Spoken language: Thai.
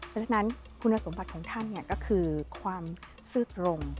เพราะฉะนั้นคุณสมบัติของท่านก็คือความซื่อตรง